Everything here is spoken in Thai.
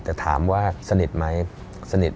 แต่ถามว่าสนิทไหมสนิท